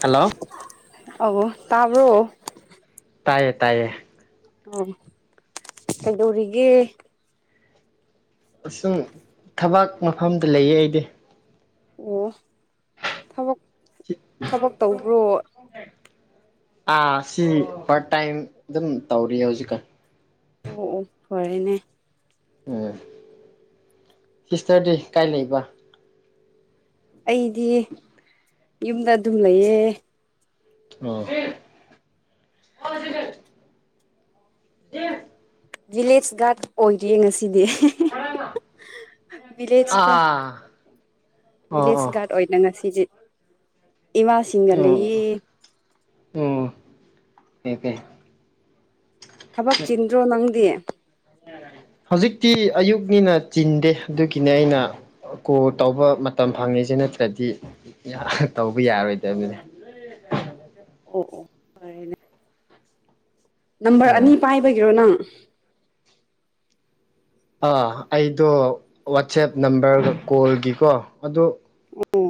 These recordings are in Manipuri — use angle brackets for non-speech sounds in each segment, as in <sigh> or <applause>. ꯍꯜꯂꯣ꯫ ꯇꯥꯕꯔꯣ꯫ ꯇꯥꯏꯌꯦ ꯇꯥꯏꯌꯦ꯫ ꯑꯣ ꯀꯗꯧꯔꯤꯒꯦ ꯫ ꯑꯁꯨꯝ ꯊꯕꯥꯛ ꯃꯐꯝꯗ ꯂꯩꯌꯦ ꯑꯩꯗꯤ꯫ ꯑꯣ꯫ ꯊꯕꯛ ꯊꯕꯛ ꯇꯧꯕ꯭ꯔꯣ꯫ ꯑꯥ ꯁꯤ ꯄꯥꯔꯠ ꯇꯥꯏꯝ ꯑꯗꯨꯝ ꯇꯧꯔꯤꯌꯦ ꯍꯧꯖꯤꯛꯀꯥꯟ꯫ ꯑꯣ ꯑꯣ ꯐꯔꯦꯅꯦ꯫ ꯎꯝ ꯁꯤꯁꯇꯔꯗꯤ ꯀꯥꯏ ꯂꯩꯕ꯫ ꯑꯩꯗꯤ꯫ ꯌꯨꯝꯗ ꯑꯗꯨꯝ ꯂꯩꯌꯦ꯫ ꯑꯣ꯫ ꯗꯦ꯫ ꯚꯤꯂꯦꯖ ꯒꯥꯔꯗ ꯑꯣꯏꯔꯤꯌꯦ ꯉꯁꯤꯗꯤ꯫ <inaudible> ꯚꯤꯂꯦꯖꯇ ꯑꯥ꯫ ꯑꯣ ꯑꯣ ꯚꯤꯂꯦꯖ ꯒꯥꯔꯗ ꯑꯣꯏꯅ ꯉꯁꯤꯁꯦ ꯏꯃꯥꯁꯤꯡꯒ ꯂꯩꯌꯦ꯫ ꯑꯣ <unintelligible> ꯊꯕꯛ ꯆꯤꯟ꯭ꯗꯔꯣ ꯅꯪꯗꯤ꯫ ꯍꯧꯖꯤꯛꯇꯤ ꯑꯌꯨꯛꯅꯤꯅ ꯆꯤꯟꯗꯦ ꯑꯗꯨꯒꯤꯅꯦ ꯑꯩꯅ ꯀꯣ ꯇꯧꯕ ꯃꯇꯝ ꯐꯪꯉꯤꯁꯦ ꯅꯠꯇ꯭ꯔꯗꯤ ꯇꯧꯕ ꯌꯥꯔꯣꯏꯗꯕꯅꯦ꯫ ꯑꯣ ꯑꯣ ꯐꯦꯅꯦ꯫ ꯅꯝꯕꯔ ꯎꯝ ꯑꯅꯤ ꯄꯥꯏꯕꯒꯤꯔꯣ ꯅꯪ꯫ ꯑꯥ ꯑꯩꯗꯣ ꯋꯥꯆꯦꯞ ꯅꯝꯕꯔꯒ ꯀꯣꯜꯒꯤꯀꯣ ꯑꯗꯣ ꯫ ꯑꯣ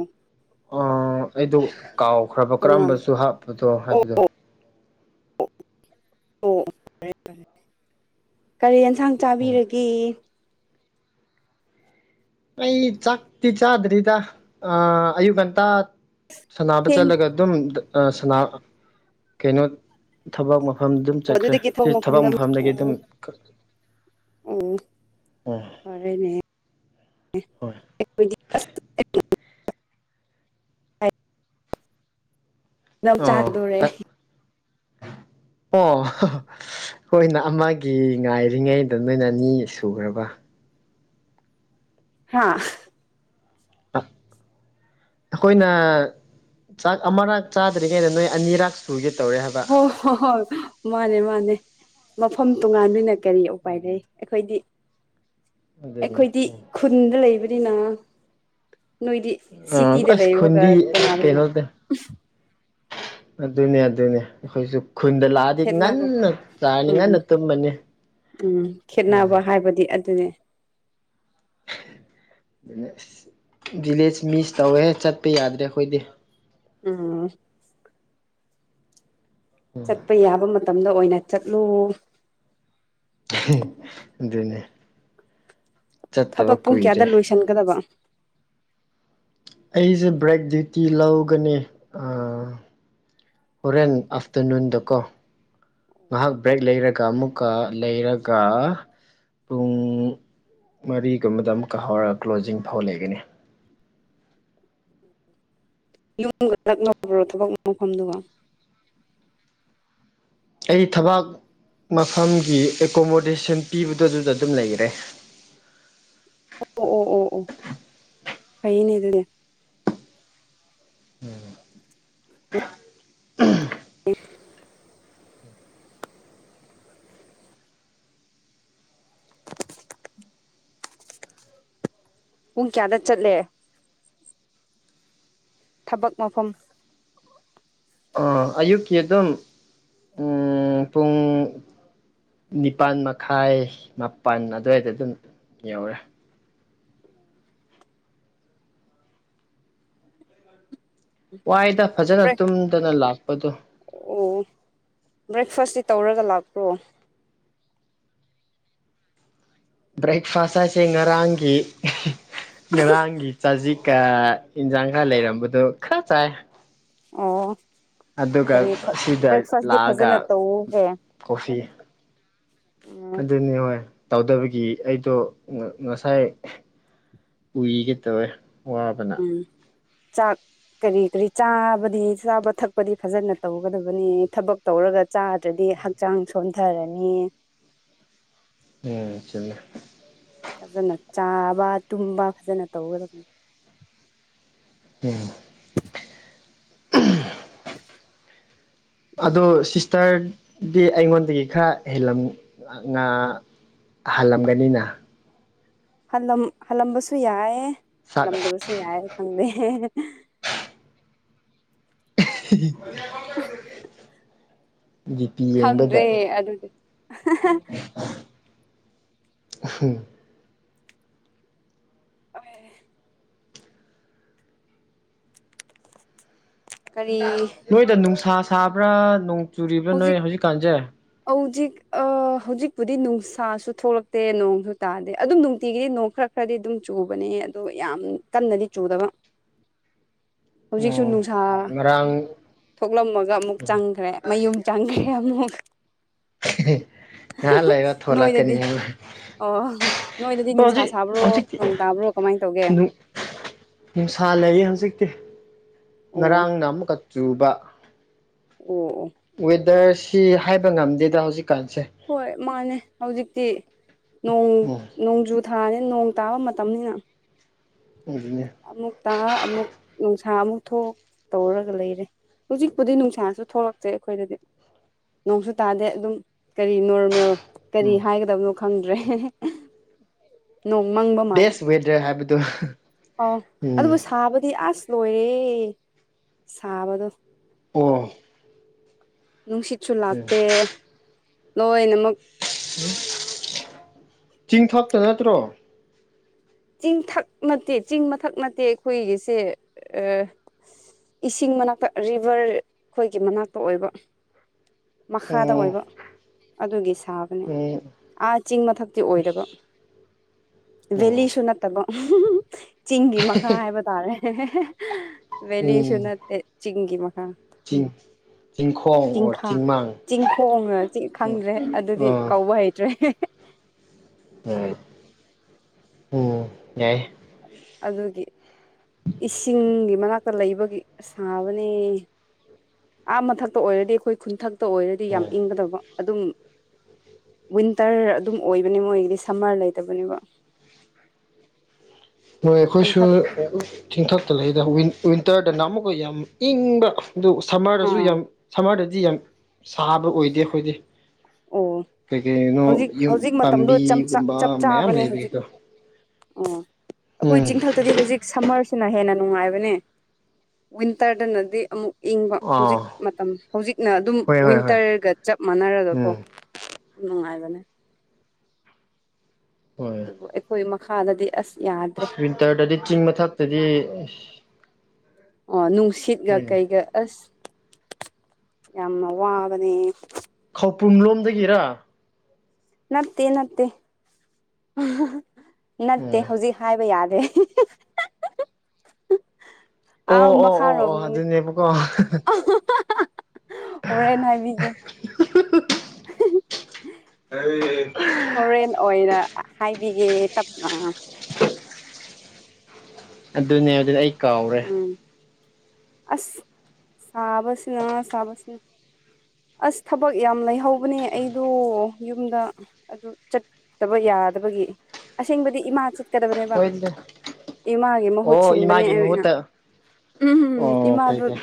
ꯑ ꯑꯩꯗꯣ ꯫ ꯀꯥꯎꯈ꯭ꯔꯕ ꯇꯣꯉꯥꯟ ꯀꯔꯝꯕꯁꯨ ꯍꯥꯞꯄꯗꯣ ꯑꯣ ꯍꯥꯏꯕꯗꯣ꯫ ꯑꯣ ꯐꯦ ꯐꯦ ꯀꯔꯤ꯫ ꯌꯦꯟꯁꯥꯡ ꯎꯝ ꯆꯥꯕꯤꯔꯒꯦ꯫ ꯑꯩ ꯆꯥꯛꯇꯤ ꯆꯥꯗ꯭ꯔꯤꯗ ꯑꯌꯨꯛ ꯉꯟꯇꯥ꯫ ꯁꯥꯟꯅꯕ ꯊꯦꯡ ꯆꯠꯂꯒ ꯑꯗꯨꯝ꯫ ꯁꯥꯟꯅꯕꯥ ꯀꯩꯅꯣ ꯊꯕꯛ ꯑꯃꯥ꯫ ꯃꯐꯝ ꯑꯗꯨꯝ ꯑꯣ ꯆꯠꯈ꯭ꯔꯦ ꯑꯗꯨꯗꯒꯤ ꯁꯤ ꯊꯣꯡ ꯊꯕꯛ ꯃꯐꯝꯗ ꯑꯃꯨꯛ ꯃꯐꯝꯗꯒꯤ ꯑꯗꯨꯝ꯫ ꯑꯣ ꯑꯣ ꯎꯝ ꯐꯔꯦꯅꯦ <inaudible> ꯍꯣꯏ <inaudible> ꯅꯪ ꯑꯥ ꯆꯥꯛꯗꯣꯔꯦ ꯑꯣ ꯈꫭꯏꯅ ꯑꯃꯒꯤ ꯉꯥꯏꯔꯤꯉꯩꯗ ꯅꯣꯏꯅ ꯑꯅꯤ ꯁꯨꯈ꯭ꯔꯕ ꯍꯥꯥ ꯑ ꯑꯩꯈꯣꯏꯅ ꯆꯥꯛ ꯑꯃꯔꯛ ꯆꯥꯗ꯭ꯔꯤꯉꯩꯗ ꯅꯣꯏ ꯑꯅꯤꯔꯛ ꯁꯨꯒꯦ ꯇꯧꯔꯦ ꯍꯥꯏꯕ ꯍꫭ ꯍꯣ ꯍꯣꯏ ꯃꯥꯅꯦ ꯃꯥꯅꯦ ꯃꯐꯝ ꯇꯣꯉꯥꯟꯕꯤꯅ ꯀꯔꯤ ꯎꯄꯥꯏ ꯂꯩ ꯑꯩꯈꯣꯏꯗꯤ ꯑꯗꯨꯅꯤ ꯑꯩꯈꯣꯏꯗꯤ ꯈꯨꯟꯗ ꯂꯩꯕ ꯗꯨꯏꯅꫭ ꯅꯣꯏꯗꯤ ꯎꯝ ꯁꯤꯇꯤꯗ ꯑꯁ ꯂꯩꯔꯒ ꯈꯨꯟꯗꯤ ꯇꯣꯉꯥꯂꯤꯅ ꯀꯩꯅꯣꯗ ꯑꯗꯨꯅꯦ ꯑꯗꯨꯅꯦ ꯑꯩꯈꯣꯏꯁꯨ ꯈꯨꯟꯗ ꯂꯥꯛꯑꯗꯤ ꯈꯦꯠꯅꯕ ꯉꯟꯅ ꯆꯥꯅꯤ ꯎꯝ ꯎꯝ ꯉꯟꯅ ꯇꯨꯝꯃꯅꯤ ꯎꯝ ꯑ ꯈꯦꯠꯅꯕ ꯍꯥꯏꯕꯗꯤ ꯑꯗꯨꯅꯦ ꯚꯤꯂꯦꯖ ꯃꯤꯁ ꯇꯧꯋꯦ ꯆꯠꯄ ꯌꯥꯗ꯭ꯔꯦ ꯑꯩꯈꯣꯏꯗꯤ ꯎꯝ ꯆꯠꯄꯩ ꯌꯥꯕ ꯃꯠ ꯇꯝꯗ ꯑꯣꯏꯅ ꯆꯠꯂꯨ ꯑꯗꯨꯅꯦ ꯆꯠꯇꯕ ꯊꯕꯛ ꯄꯨꯡ ꯀꯨꯏꯔꯦ ꯀꯌꯥꯗ ꯂꯣꯏꯁꯤꯟꯒꯗꯕ ꯑꯩꯁꯦ ꯕ꯭ꯔꯦꯛ ꯗ꯭ꯌꯨꯇꯤ ꯂꯧꯒꯅꯤ ꯑ ꯍꯣꯔꯦꯟ ꯑꯥꯐꯇꯔꯅꯨꯟꯗꯀꯣ ꯉꯥꯏꯍꯥꯛ ꯕ꯭ꯔꯦꯛ ꯂꯩꯔꯒ ꯑꯃꯨꯛꯀ ꯂꯩꯔꯒ ꯄꯨꯡ ꯃꯔꯤꯒꯨꯝꯕꯗ ꯑꯃꯨꯛꯀ ꯍꯧꯔꯒ ꯀ꯭ꯂꯣꯖꯤꯡ ꯐꯥꯎ ꯂꯩꯒꯅꯤ ꯌꯨꯝꯒ ꯅꯛꯅꯕꯔꯕ꯭ꯔꯣ ꯊꯕꯛ ꯃꯐꯝꯗꯨꯒ ꯑꯩ ꯊꯕꯥꯛ ꯃꯐꯝꯒꯤ ꯑꯦꯀꯣꯃꯣꯗꯦꯁꯟ ꯄꯤꯕꯗꫭꯗꯨꯗ ꯑꯗꯨꯝ ꯂꯩꯔꯦ ꯑꯣ ꯑꯣ ꯑꯣ ꯑꯣ ꯐꯩꯌꯦꯅꯦ ꯑꯗꯨꯗꯤ <inaudible> ꯄꯨꯡ ꯀꯌꯥꯗ ꯆꯠꯂꯦ ꯊꯕꯛ ꯃꯐꯝ ꯑ ꯑꯌꯨꯛꯀꯤ ꯑꯗꯨꯝ ꯎꯝ ꯄꯨꯡ ꯅꯤꯄꯥꯜ ꯃꯈꯥꯏ ꯃꯥꯄꯜ ꯑꯗꯨꯋꯥꯏꯗ ꯑꯗꯨꯝ ꯌꯧꯔꯦ ꯋꯥꯏꯗ ꯐꯖꯅ ꯕ꯭ꯔꯦꯛ ꯇꯨꯝꯗꯅ ꯂꯥꯛꯄꯗꯣ ꯑꯣ ꯕ꯭ꯔꯦꯛꯐꯥꯁꯇꯤ ꯇꯧꯔꯒ ꯂꯥꯛꯄ꯭ꯔꯣ ꯕ꯭ꯔꯦꯛ ꯐꯥꯥꯁ ꯍꯥꯏꯁꯦ ꯉꯔꯥꯡꯒꯤ ꯉꯔꯥꯡꯒꯤ ꯆꯥꯖꯤꯛ ꯀ ꯏꯟꯖꯥꯡꯒ ꯂꯩꯔꯝꯕꯗꯨ ꯈꯔ ꯆꯥꯏ ꯑꯣ ꯑꯗꯨꯒ ꯀꯔꯤ ꯑꯁꯤꯗ ꯕ꯭ꯔꯦꯛꯐꯥꯁꯇꯤ ꯂꯥꯛꯑꯒ ꯐꯖꯅ ꯇꯧꯍꯦ ꯀꯣꯐꯤ ꯎꯝ ꯑꯗꯨꯅꯤ ꯍꯣꯏ꯫ ꯇꯧꯗꯕꯒꯤ ꯑꯩꯗꯣ ꯉꯁꯥꯏ ꯎꯏꯒꯦ ꯇꯧꯋꯦ꯫ ꯋꯥꯕꯅ꯫ ꯆꯥꯛ ꯀꯔꯤ ꯀꯔꯤ ꯆꯥꯕꯗꯤ ꯆꯥꯕ ꯊꯛꯄꯗꯤ ꯐꯖꯅ ꯇꯧꯒꯗꯕꯅꯤ ꯊꯕꯛ ꯇꯧꯔꯒ ꯆꯥꯗ꯭ꯔꯗꯤ ꯍꯛꯆꯥꯡ ꯁꯣꯟꯊꯔꯅꯤ꯫ ꯎꯝ ꯆꯨꯃꯦ꯫ ꯐꯖꯅ ꯆꯥꯕ ꯇꯨꯝꯕ ꯐꯖꯅ ꯇꯧꯒꯗꯕꯅꯤ꯫ ꯎꯝ꯫ <unintelligible> <inaudible> ꯑꯗꯣ ꯁꯤꯁꯇꯔꯗꯤ ꯑꯩꯉꯣꯟꯗꯒꯤ ꯈꯔ ꯍꯦꯜꯂꯝꯥ ꯍꯜꯂꯝꯒꯅꯤꯅ꯫ ꯍꯜꯂꯝ ꯍꯥꯜꯂꯝꯕꯁꯨ ꯌꯥꯏ꯫ ꯁꯛ ꯍꯜꯂꯝꯗꯕꯁꯨ ꯌꯥꯏ꯫ ꯈꯟꯗꯦ ꯫ <unintelligible> ꯖꯤ ꯄꯤ ꯈꯪꯗ꯭ꯔꯦ ꯌꯦꯡꯕꯗ ꯑꯗꯨꯗꯤ꯫ ꯎꯍꯨꯝ꯫ ꯑꯣ꯫ ꯀꯔꯤ ꯅꯣꯏꯗ ꯅꯨꯡꯁꯥ꯫ ꯁꯥꯕ꯭ꯔꯥ ꯅꯣꯡ꯫ ꯆꯨꯔꯤꯔꯤꯕ ꯅꯣꯏ ꯍꯧꯖꯤꯛ ꯀꯥꯟꯖꯦ꯫ ꯍꯧꯖꯤꯛ ꯍꯧꯖꯤꯛꯄꯨꯗꯤ ꯅꯨꯡꯁꯥꯁꯨ ꯊꯣꯛꯂꯛꯇꯦ ꯅꯣꯡꯁꯨ ꯇꯥꯗꯦ ꯑꯗꯨꯝ ꯅꯨꯡꯇꯤꯒꯤꯗꯤ ꯅꯣꯡ ꯈꯔ ꯈꯔꯗꯤ ꯑꯗꯨꯝ ꯆꯨꯕꯅꯦ ꯑꯗꯣ ꯌꯥꯝ ꯀꯟꯅꯗꯤ ꯆꯨꯗꯕ꯫ ꯍꯧꯖꯤꯛꯁꯨ ꯑꯣ ꯅꯨꯡꯁꯥ ꯉꯔꯥꯡ ꯊꯣꯛꯂꯝꯃꯒ ꯑꯃꯨꯛ ꯆꯪꯈ꯭ꯔꯦ꯫ ꯃꯌꯨꯝ ꯆꯪꯈ꯭ꯔꯦ ꯑꯃꯨꯛ꯫ ꯉꯍꯥꯟ ꯂꯩꯔ ꯊꯣꯂꯛꯀꯅꯤ ꯅꯣꯏꯗꯗꯤ ꯍꯥꯏ ꯑꯣ ꯅꯣꯏꯗꯗꯤ ꯅꯨꯡꯁꯥ ꯍꯧꯖꯤꯛ ꯁꯥꯕ꯭ꯔꯣ ꯍꯧꯖꯤꯛꯇꯤ ꯅꯣꯡ ꯇꯥꯕ꯭ꯔꯣ ꯀꯃꯥꯏꯅ ꯇꯧꯒꯦ ꯅꯨꯡꯁꯥ ꯂꯩꯌꯦ ꯍꯧꯖꯤꯛꯇꯤ꯫ ꯑꯣ ꯑꯣ ꯉꯔꯥꯡꯒꯥ ꯑꯃꯨꯛ ꯀꯥ꯫ ꯆꯨꯕ꯫ ꯑꯣ ꯋꯤꯗꯔ ꯁꯤ꯫ ꯁꯤ ꯍꯥꯏꯕ ꯉꯝꯗꯦꯗ ꯍꯧꯖꯤꯛ꯫ ꯍꯣꯏ ꯃꯥꯅꯦ ꯍꯧꯖꯤꯛꯇꯤ ꯎꯝ ꯅꯣꯡꯖꯨ꯫ ꯊꯥꯅꯦ ꯅꯣꯡ ꯇꯥꯕ ꯃꯇꯝꯅꯤꯅ꯫ ꯑꯗꯨꯅꯦ ꯑꯝꯃꯨꯛ ꯇ ꯑꯃꯨꯛ꯫ ꯅꯨꯡꯁꯥ ꯑꯃꯨꯛ ꯊꯣꯛ ꯇꯧꯔꯒ ꯂꯩꯔꯦ ꯍꯧꯖꯤꯛꯄꯨꯗꯤ ꯅꯨꯡꯁꯥꯁꯨ ꯊꯣꯛꯂꯛꯇꯦ ꯑꯩꯈꯣꯏꯗꯗꯤ ꯅꯣꯡꯁꯨ ꯇꯥꯗꯦ ꯑꯗꯨꯝ꯫ ꯀꯔꯤ ꯅꯣꯔꯃꯦꯜ ꯀꯔꯤ ꯎꯝ ꯍꯥꯏꯒꯗꯕꯅꯣ꯫ ꯈꯪꯗ꯭ꯔꯦ꯫ ꯅꯣꯡ ꯃꯪꯕ ꯕꯦꯁ ꯋꯦꯗꯔ ꯍꯥꯏꯕꯗꯨ꯫ ꯑ ꯑꯗꯨꯕꯨ ꯁꯥꯕꯗꯤ꯫ ꯆꯥꯁ ꯂꯣꯏꯔꯦ ꯁꯥꯕꯗꯣ꯫ ꯑꯣ꯫ ꯅꯨꯡꯁꯤꯠꯁꯨ ꯂꯥꯛꯇꯦ꯫ ꯂꯣꯏ ꯅ꯫ ꯎꯝ ꯆꯤꯡꯊꯇ ꯅꯠꯇ꯭ꯔꯣ꯫ ꯆꯤꯡꯊꯛ ꯅꯠꯇꯦ ꯆꯤꯡ ꯃꯊꯛ ꯅꯠꯇꯦ ꯑꯩꯈꯣꯏꯒꯤꯁꯦ ꯏꯁꯤꯡ ꯃꯅꯥꯛꯇ ꯔꯤꯚꯔ ꯑꯩꯈꯣꯏꯒꯤ ꯃꯅꯥꯛꯇ ꯑꯣꯏꯕ꯫ ꯃꯈꯥꯗ ꯎꯝ ꯑꯣꯏꯕ ꯑꯗꯨꯒꯤ ꯁꯥꯕꯅꯤ ꯎꯝ ꯑꯥ ꯆꯤꯡ ꯃꯊꯛꯇꯤ ꯑꯣꯏꯗꯕ ꯚꯦꯂꯤ꯫ ꯑꯣ <unintelligible> ꯆꯤꯡꯒꯤ ꯃꯈꯥ ꯍꯥꯏꯕ ꯇꯥꯔꯦ ꯚꯦꯂꯤꯁꯨ ꯎꯝ ꯅꯠꯇꯦ ꯆꯤꯡꯒꯤ ꯃꯈꯥ꯫ ꯑ꯫ ꯆꯤꯡ ꯆꯤꯡꯈꯣꯡ ꯑꯣꯔ ꯆꯤꯡꯈꯥ ꯆꯤꯡꯃꯥꯡ ꯆꯤꯡꯈꯣꯡꯉ ꯎ ꯈꯪꯗ꯭ꯔꯦ ꯑꯗꯨꯗꯤ ꯀꯧꯕ ꯍꯩꯇ꯭ꯔꯦ꯫ ꯍ ꯎꯝ ꯌꯥꯏ꯫ ꯑꯗꯨꯒꯤ꯫ ꯏꯁꯤꯡꯒꯤ ꯃꯅꯥꯛꯛꯇ꯫ ꯂꯩꯕꯒꯤ ꯁꯥꯕꯅꯦ ꯑꯥ ꯃꯊꯛꯇ ꯑꯣꯏꯔꯗꯤ ꯑꯩꯈꯣꯏ ꯈꯨꯟꯊꯛꯇ꯫ ꯇ ꯑꯣꯏꯔꯗꯤ ꯌꯥꯝ ꯎꯝ ꯏꯪꯒꯗꯕ ꯑꯗꯨꯝ꯫ ꯋꯤꯟꯇꯔ ꯑꯗꯨꯝ ꯑꯣꯏꯕꯅꯦ ꯃꯣꯏꯒꯤꯗꯤ ꯁꯝꯃꯔ ꯂꯩꯇꯕꯅꯦꯕ꯫ ꯅꯣꯏ ꯑꯩꯈꯣꯏꯁꯨ ꯈꯨꯟꯊꯛ ꯆꯤꯡꯊꯛ꯫ ꯇ ꯂꯩꯗ ꯋꯤꯟꯇꯔꯗꯅ ꯑꯃꯨꯛꯀ ꯌꯥꯝ ꯏꯪꯕ꯫ ꯑꯗꯨ ꯁꯝꯃꯥꯔꯗꯁꯨ ꯑꯥ ꯌꯥꯝ ꯁꯝꯃꯥꯔꯗ꯫ ꯁꯤꯗꯤ ꯌꯥꯝ ꯁꯥꯕ ꯑꯣꯏꯗꯦ ꯑꯩꯈꯣꯏꯗꯤ꯫ ꯑꯣ ꯀꯩ ꯀꯩꯅꯣ ꯍꯧꯖꯤꯛ ꯍꯧꯖꯤꯛ ꯃꯇꯝꯗꯣ ꯄꯥꯝꯕꯤꯒꯨꯝꯕ ꯆꯞ ꯃꯌꯥꯝ ꯆꯥꯕꯅꯦ ꯍꯧꯖꯤꯛ ꯂꯩꯕꯒꯤꯀꯣ꯫ ꯑꯣ꯫ ꯑꯩꯈꯣꯏ ꯎꯝ ꯆꯤꯡꯊꯛꯇꯗꯤ ꯍꯧꯖꯤꯛ ꯁꯝꯃꯔ꯫ ꯁꯤꯅ ꯍꯦꯟꯅ ꯅꯨꯡꯉꯥꯏꯕꯅꯦ ꯋꯤꯟꯇꯔꯗꯅꯗꯤ ꯑꯃꯨꯛ꯫ ꯏꯪꯕ ꯑꯥ ꯍꯧꯖꯤꯛ ꯃꯇꯝ ꯍꯧꯖꯤꯛꯅ ꯑꯗꯨꯝ ꯍꯣꯏ ꯍꯣꯏ ꯍꯣꯏ ꯋꯤꯟꯇꯔꯒ ꯆꯞ ꯃꯥꯟꯅꯔꯒꯀꯣ꯫ ꯎꯝ ꯅꯨꯡꯉꯥꯏꯕꯅꯦ꯫ ꯍꯣꯏ ꯑꯗꯨꯕꯨ ꯑꯩꯈꯣꯏ꯫ ꯃꯈꯥ ꯗꯥꯗꯤ ꯑꯁ꯫ ꯌꯥꯗ꯭ꯔꯦ ꯋꯤꯟꯇꯔꯗꯗꯤ ꯆꯤꯡ ꯃꯥꯊꯛꯇꯗꯤ꯫ ꯑꯣꯅꯨꯡ꯫ ꯁꯤꯠꯒ ꯀꯩꯒ ꯑꯁ꯫ ꯌꯥꯝꯅ ꯋꯥꯕꯅꯦ꯫ ꯄꯧ ꯄꯨꯝꯂꯣꯝꯗꯒꯤꯔꯥ꯫ ꯅꯠꯇꯦ ꯅꯠꯇꯦ꯫ ꯅꯠꯇꯦ ꯎꯝ ꯍꯧꯖꯤꯛ ꯍꯥꯏꯕ ꯌꯥꯗ꯭ꯔꯦ ꯑꯥ ꯑꯣ ꯑꯣ ꯑꯣ ꯑꯣ ꯃꯈꯥꯔꯣꯝꯗꯅꯦ ꯑꯗꯨꯅꯦꯕꯀꯣ ꯍꯣꯔꯦꯟ ꯍꯥꯏꯕꯤꯒꯦ ꯑꯩ ꯍꯣꯔꯦꯟ ꯑꯣꯏꯅ ꯍꯥꯏꯕꯤꯒꯦ ꯇꯞꯅ ꯑꯗꯨꯅꯦ ꯑꯗꯨꯅꯦ ꯑꯩ ꯀꯥꯎꯔꯦ ꯎꯝ ꯑꯁ ꯁꯥꯕꯁꯤꯅ ꯁꯥꯕꯁꯤꯅ ꯑꯁ ꯊꯕꯛ ꯌꯥꯝ ꯂꯩꯍꯧꯕꯅꯦ ꯑꯩꯗꯣ ꯌꯨꯝꯗ ꯑꯗꯨ ꯆꯠꯇꯕ ꯌꯥꯗꯕꯒꯤ ꯑꯁꯦꯡꯕꯗꯤ ꯏꯃꯥ ꯆꯠ ꯀꯗꯕꯅꯦꯕ ꯍꯣꯏ ꯏꯃꯥꯒꯤ ꯃꯍꯨꯠ ꯑꯣ ꯁꯤꯟꯕꯅꯦ ꯏꯃꯥꯒꯤ ꯑꯩꯅ ꯃꯍꯨꯠꯇ ꯎꯝ ꯑꯣ ꯐꯩ ꯏꯃꯥꯗꯨ ꯐꯩ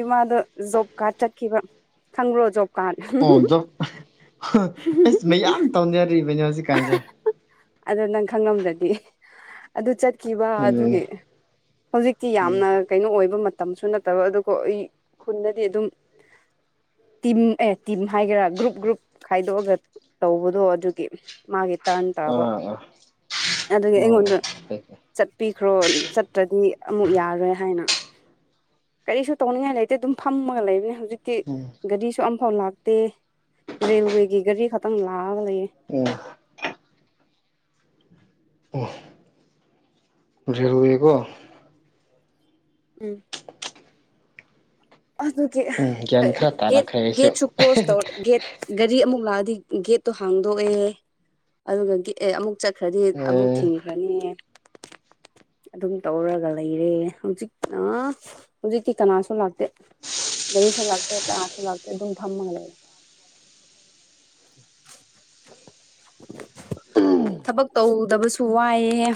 ꯏꯃꯗꯨ ꯖꯣꯕ ꯀꯥꯔꯗ ꯆꯠꯈꯤꯕ ꯈꯪꯕ꯭ꯔꯣ ꯖꯣꯕ ꯀꯥꯔꯗ ꯑꯣ ꯖꫭꯕ ꯑꯁ ꯃꯌꯥꯝ ꯇꯧꯅꯔꯤꯕꯅꯦ ꯖꯤ ꯀꯥꯟꯁꯦ ꯑꯗꯨ ꯅꯪ ꯈꯪꯉꯝꯗ꯭ꯔꯗꯤ ꯑꯗꯨ ꯆꯠ ꯈꯤꯕ ꯑꯗꯨꯅꯤ ꯑꯗꯨꯒꯤ ꯍꯧꯖꯤꯛꯇꯤ ꯌꯥꯝꯅ ꯀꯩꯅꯣ ꯑꯣꯏꯕ ꯃꯠ ꯇꯝꯁꯨ ꯅꯠꯇꯕ ꯑꯗꯨꯀꫭ ꯑꯩ ꯈꯨꯟꯗꯗꯤ ꯑꯗꯨꯝ ꯇꯤꯝ ꯑꯦ ꯇꯤꯝ ꯍꯥꯏꯒꯦꯔꯥ ꯒ꯭ꯔꯨꯞ ꯒ꯭ꯔꯨꯞ ꯈꯥꯏꯗꯣꯛꯑꯒ ꯇꯧꯕꯗꯣ ꯑꯗꯨꯒꯤ ꯃꯥꯒꯤ ꯇꯥꯔꯟ ꯇꯥꯕ ꯑꯥ ꯑꯥ ꯑꯗꯨꯗꯒꯤ ꯑꯥ ꯑꯩꯉꯣꯟꯗ ꯐꯩ ꯐꯩ ꯆꯠꯄꯤꯈ꯭ꯔꯣ ꯆꯠꯇ꯭ꯔꯗꯤ ꯑꯃꯨꯛ ꯌꯥꯔꯣꯏ ꯍꯥꯏꯅ ꯀꯔꯤꯁꯨ ꯇꯧꯅꯤꯡꯉꯥꯏ ꯂꯩꯇꯦ ꯑꯗꯨꯝ ꯐꯝꯃꯒ ꯂꯩꯕꯅꯤ ꯖꯤꯛꯇꯤ ꯎꯝ ꯒꯥꯔꯤꯁꯨ ꯑꯝ ꯐꯥꯎ ꯂꯥꯛꯇꯦ ꯔꯦꯜꯋꯦꯒꯤ ꯒꯥꯔꯤ ꯈꯛꯇꯪ ꯂꯥ ꯎꯝ ꯑꯣ ꯔꯦꯜꯋꯦꯒꫭ ꯎꯝ ꯑꯗꯨ ꯎꯝ ꯒ꯭ꯌꯥꯟ ꯈꯔ ꯒꯦꯠ ꯇꯥꯔꯛꯈ꯭ꯔꯦ ꯑꯩꯁꯨ ꯒꯦꯠꯁꯨ ꯀ꯭ꯂꯣꯁ ꯇꯧꯔ ꯒꯦꯠ ꯒꯥꯔꯤ ꯑꯃꯨꯛ ꯂꯥꯛꯑ ꯗꯤ ꯒꯦꯠꯇꯣ ꯍꯥꯡꯗꯣꯛꯑꯦ ꯑꯗꯨꯒ ꯒꯦ ꯑꯃꯨꯛ ꯆꯠꯈ꯭ꯔꯗꯤ ꯑꯃꯨꯛ ꯎꯝ ꯊꯤꯡꯈ꯭ꯔꯅꯤ ꯑꯗꯨꯝ ꯇꯧꯔꯒ ꯂꯩꯔꯦ ꯍꯧꯖꯤꯛ ꯑ ꯍꯧꯖꯤꯛꯇꯤ ꯀꯅꯥꯁꯨ ꯂꯥꯛꯇꯦ ꯒꯥꯔꯤꯁꯨ ꯂꯥꯛꯇꯦ ꯀꯅꯥꯁꯨ ꯂꯥꯛꯇꯦ ꯑꯗꯨꯝ ꯐꯝ ꯃꯒ ꯂꯩ <inaudible> ꯊꯕꯛ ꯇꯧ ꯗꯕꯁꯨ ꯋꯥꯏꯑꯦ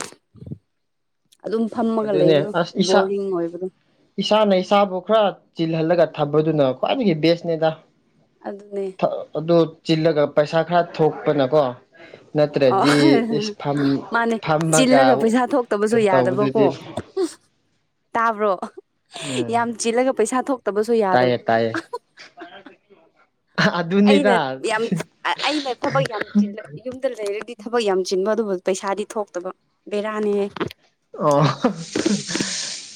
ꯑꯗꯨꯅꯦ ꯑꯁ ꯏꯁꯥ ꯕꯣꯔꯤꯡ ꯑꯣꯏꯕꯗꯣ ꯏꯁꯥꯅ ꯏꯁꯕꯨ ꯈꯔ ꯆꯤꯜꯍꯜꯂꯒ ꯊꯝꯕꯗꯨꯅ ꯈ꯭ꯋꯥꯏꯗꯒꯤ ꯕꯦꯁꯅꯦꯗ ꯑꯗꯨꯅꯦ ꯊ ꯑꯗꫭ ꯆꯤꯜꯂꯒ ꯄꯩꯁꯥ ꯈꯔ ꯊꯣꯛꯄꯅꯀꯣ꯫ ꯑꯣ ꯅꯠꯇ꯭ꯔꯗꯤ ꯏꯁ ꯐꯝ ꯃꯥꯅꯦ ꯐꯝꯃꯒ ꯆꯤꯜꯂꯒ ꯄꯩꯁꯥ ꯊꯣꯛꯇꯕꯁꯨ ꯌꯥꯏ꯫ ꯌꯥꯗꯕꯣ ꯀꯣ꯫ ꯇꯧꯕꯗꯨꯗꯤ ꯇꯥꯕ꯭ꯔꯣ꯫ ꯎꯝ ꯌꯥꯝ ꯆꯤꯜꯂꯒ ꯄꯩꯁꯥ ꯊꯣꯛꯇꯕꯁꯨ ꯇꯥꯏꯌꯦ ꯌꯥꯗꯕꯗꯣ꯫ ꯇꯥꯏꯌꯦ ꯑꯩꯅ ꯑꯗꯨꯅꯤꯗ ꯌꯥꯝ ꯑꯩꯅ ꯊꯕꯛ ꯌꯥꯝ ꯆꯤꯜꯂꯗꯤ꯫ ꯌꯨꯝꯗ ꯂꯩꯔꯗꯤ ꯊꯕꯛ ꯌꯥꯝ ꯆꯤꯟꯕ ꯑꯗꯨꯕꯨ ꯄꯩꯁꯥꯗꯤ ꯊꯣꯛꯇꯕ ꯕꯦꯔꯥꯅꯤꯍ꯫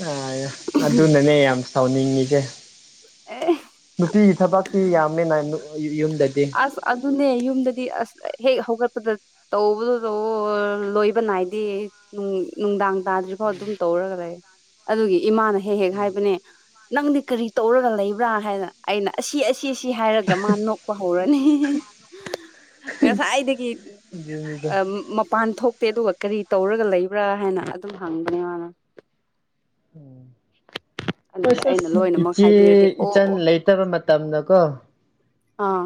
ꯑꯣ ꯑꯗꯨꯅꯅꯦ ꯌꯥꯝ꯫ ꯇꯥꯎꯅꯤꯡꯉꯤꯖꯦ꯫ ꯑꯦ ꯅꯨꯡꯄꯤꯒꯤ ꯊꯕꯛꯁꯤ ꯌꯥꯝꯃꯦ ꯅꯥ꯫ ꯌꯨꯝ꯫ ꯑꯁ ꯑꯗꯨꯅ꯫ ꯅꯦ ꯌꯨꯝꯗꯗꯤ ꯑꯁ ꯍꯦꯛ ꯍꯧꯒꯠꯄꯗ ꯇꯧꯕꯗꯨ ꯂꯣꯏꯕ ꯅꯥꯏꯗꯦ ꯅꯨꯡꯗꯥꯡ꯫ ꯇꯥꯗ꯭ꯔꯤ ꯐꯥꯎ ꯑꯗꯨꯝ ꯇꯧꯔꯒ ꯂꯩ꯫ ꯑꯗꯨꯒꯤ ꯏꯃꯥꯅ꯫ ꯍꯦꯛ ꯍꯦꯛ ꯍꯥꯏꯕꯅꯦ꯫ ꯅꯪꯗꯤ ꯀꯔꯤ ꯇꯧꯔꯒ ꯂꯩꯕ꯭ꯔꯥ ꯍꯥꯏꯗꯅ ꯑꯩꯅ ꯑꯁꯤ ꯑꯁꯤ ꯑꯁꯤ ꯍꯥꯏꯔꯒ ꯃꯥ ꯅꯣꯛ꯫ ꯄ ꯍꯧꯔꯅꯤ ꯉꯁꯥꯏꯗꯒꯤ꯫ ꯑꯗꯨꯅꯤꯗ ꯃꯄꯥꯟ ꯊꯣꯛ꯫ ꯠꯇꯦ ꯑꯗꯨꯒ ꯀꯔꯤ ꯇꯧꯔꯒ ꯂꯩꯕ꯭ꯔꯥ ꯍꯥꯏꯅ ꯑꯗꯨꯝ ꯍꯪꯕꯅꯦ ꯃꯥꯅ꯫ ꯍꯣꯏ ꯑꯗꯨꯒ ꯑꯩꯅ ꯁꯁ ꯂꯣꯏꯅꯃꯛ ꯏꯆꯦ ꯍꯥꯏꯕꯤꯔꯗꯤ ꯑꯣ ꯏꯆꯟ ꯑꯣ ꯂꯩꯇꯕ ꯃꯇꯝꯗ ꯀꯣ꯫ ꯑꯥ꯫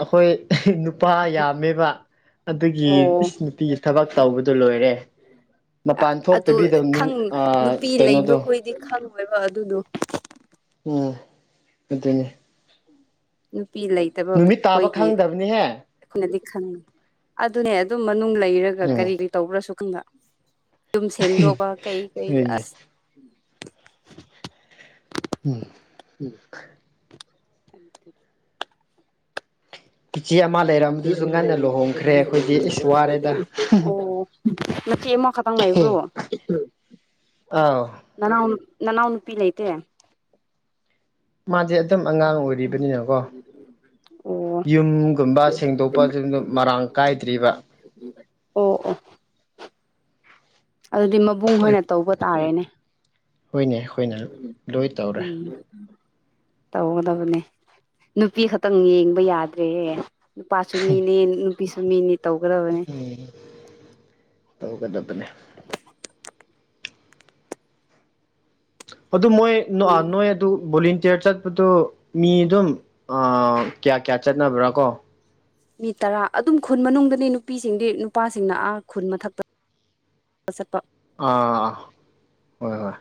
ꯑꯩꯈꯣꯏ꯫ ꯅꯨꯄꯥ ꯌꯥꯝꯃꯦꯕ ꯑꯗꯨꯒꯤ ꯑꯣ ꯏꯁ ꯅꯨꯄꯤꯒꯤ ꯊꯕꯛ ꯇꯧꯕꯗꯣ ꯂꯣꯏꯔꯦ ꯃꯄꯥꯟ ꯑꯗꯨ ꯊꯣꯛꯇꯕꯤꯗꯕ ꯈꯪ ꯀꯩꯅꯣꯗꯣ꯫ ꯑꯣꯏꯕ ꯑꯗꯨꯗꯣ꯫ ꯎ ꯑꯗꯨꯅꯦ꯫ ꯎꯝ꯫ ꯅꯨꯄꯤ ꯂꯩꯇꯕ ꯇꯥꯕ ꯑꯩꯈꯣꯏꯒꯤ ꯈꯪꯗꯕꯅꯤꯍꯦ ꯑꯩꯈꯣꯏꯅ꯫ ꯈ ꯑꯗꯨꯅꯦ ꯑꯗꯨꯝ꯫ ꯑꯗꯨꯝ ꯂꯩꯔꯒ ꯎꯝ ꯀꯔꯤ ꯇꯧꯕ꯭ꯔꯁꯨ ꯈꯪꯕ ꯌꯨꯝ ꯁꯦꯡꯗꯣꯛꯄ ꯀꯩ ꯀꯩ ꯑꯗꯨꯅꯤ ꯑꯁ꯫ ꯎꯝ꯫ ꯎꯝ꯫ ꯑꯗꯨ ꯏꯆꯦ ꯑꯃ ꯂꯩꯔꯝꯕꯗꯨꯁꯨ ꯉꯟꯅ ꯂꯨꯍꯣꯡꯈ꯭ꯔꯦ ꯑꯩꯈꯣꯏꯗꯤ ꯏꯁ ꯋꯥꯔꯦꯗ ꯑꯣ ꯅꯆꯦ ꯑꯃ ꯈꯗꯪ ꯂꯩꯕ꯭ꯔꯣ ꯑꯥ ꯅꯅꯥꯎ ꯅꯅꯥꯎ ꯅꯨꯄꯤ ꯂꯩꯇꯦ ꯃꯥꯖꯦ ꯈꯤꯇꯝ ꯑꯉꯥꯡ ꯑꯣꯏꯔꯤꯕꯅꯤꯅꯀꯣ ꯑꯣ ꯌꯨꯝꯒꯨꯝꯕ ꯁꯦꯡꯗꯣꯛꯄ ꯁꯤꯡꯗꯨ ꯃꯔꯥꯡ ꯀꯥꯏꯗ꯭ꯔꯤꯕ ꯑꯣ ꯑꯣ ꯑꯗꯨꯗꯤ ꯃꯕꯨꯡ ꯍꯣꯏ ꯑꯣꯏꯅ ꯇꯧꯕ ꯇꯥꯔꯦꯅꯦ ꯍꯣꯏꯅꯦ ꯑꯩꯈꯣꯏꯅ ꯂꯣꯏ ꯇꯧꯔꯦ ꯎꯝ ꯇꯧꯒꯗꯕꯅꯦ ꯅꯨꯄꯤ ꯈꯛꯇꯪ ꯌꯦꯡꯕ ꯌꯥꯗ꯭ꯔꯦ ꯅꯨꯄꯥꯁꯨ ꯃꯤꯅꯤ ꯄꯤꯁꯨ ꯃꯤꯅꯤ ꯇꯧꯒꯗꯕꯅꯦ ꯇꯧꯒꯗꯕꯅꯦ <inaudible> ꯑꯗꯨ ꯃꯣꯏ ꯅ ꯑꯩꯈꯣꯏ ꯅꯣꯏ ꯑꯗꯨ ꯕꯨꯂꯤꯡ ꯇꯦꯔ ꯆꯠꯄꯗꯨ ꯃꯤ ꯑꯗꯨꯝ ꯑꯥ ꯀꯌꯥ ꯀꯌꯥ ꯆꯠꯅꯕ꯭ꯔꯥ ꯀꯣ ꯃꯤ ꯇꯔꯥ ꯑꯗꯨꯝ ꯈꯨꯟ ꯃꯅꯨꯡꯗꯅꯤ ꯅꯨꯄꯤꯁꯤꯡꯗꯤ ꯅꯨꯄꯥꯁꯤꯡꯅ ꯑꯥ ꯈꯨꯟ ꯃꯊꯛꯇ ꯆꯠꯄ ꯑꯥ ꯑꯥ ꯍꯣꯏ ꯍꯣꯏ